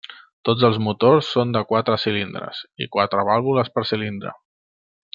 Tots els motors són de quatre cilindres i quatre vàlvules per cilindre.